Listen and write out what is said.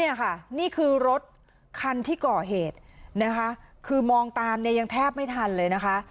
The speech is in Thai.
นี่ค่ะนี่คือรถคันที่ก่อเหตุนะคะคือมองตามเนี่ยยังแทบไม่ทันเลยนะคะ